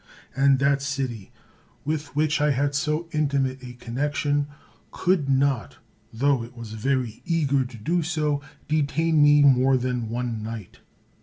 And that city, with which I had so intimate a connection, could not, tho it was very eager to do so, detain me more than one night.